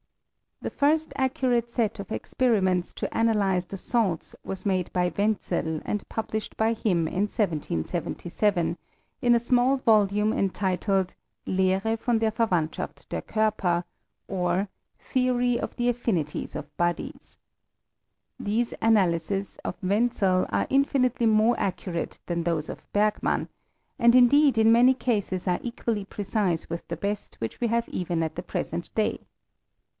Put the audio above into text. The first accurate set of experiments to analyze the salts was made by Wenzel, and published by him in 1777, in a small volume entitled Lehre von der Verwandschaft der Korper," or, Theory of the Affinities of Bodies." These analyses of Wenzel are infinitely more accurate than those of Bergman, and indeed in many cases are equally precise with the best which we have even at the present day.